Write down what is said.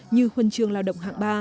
như huân chương lao động hạng ba